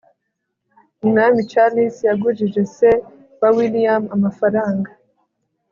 umwami charles yagujije se wa william amafaranga